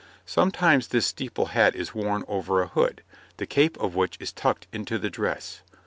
Sometimes this steeple hat is worn over a hood, the cape of which is tucked into the dress.